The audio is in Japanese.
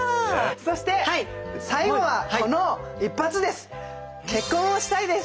そして最後はこの一発です。